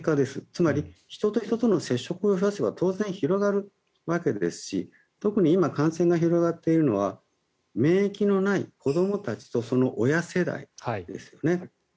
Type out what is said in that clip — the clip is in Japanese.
つまり人と人との接触を増やせば当然、広がるわけですし特に今感染が広がっているのは免疫のない子どもたちとその親世代ですね。